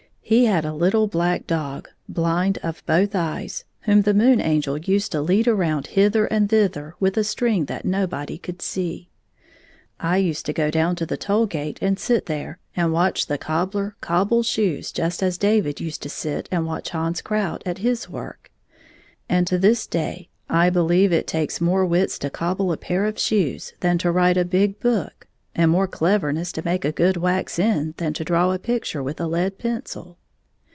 He had a little black dog, blind of both eyes, whom the Moon Angel used to lead around hither and thither with a string that nobody could see. I used to go down to the toll gate and sit there and watch the cobbler cobble shoes just as David used to sit and watch Hans Krout at his work, and to this day I beheve it takes more wits to cobble a pair of shoes than to write a big book, and more cleverness to make a good wax end than to draw a pictm e with a lead pencil.